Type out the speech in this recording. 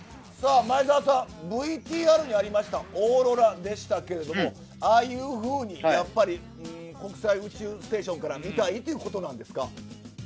前澤さん、ＶＴＲにありましたオーロラでしたけれども、ああいうふうにやっぱり、国際宇宙ステーションから見たいということなんですか？